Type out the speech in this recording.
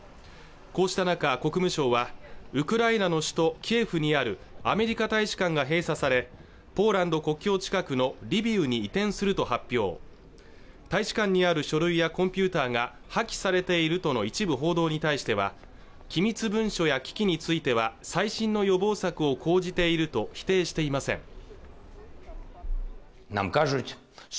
こうした中国務省はウクライナの首都キエフにあるアメリカ大使館が閉鎖されポーランド国境近くのリビウに移転すると発表大使館にある書類やコンピューターが破棄されているとの一部報道に対しては機密文書や機器については最新の予防策を講じていると否定していません